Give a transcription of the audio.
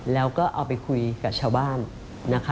แล้วก็เอาไปคุยกับชาวบ้านนะคะ